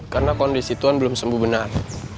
karena kondisi tuhan belum sembuh benar